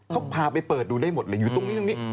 เขาพาไปเปิดดูได้หมดเลยอยู่ตรงนี้ตรงนี้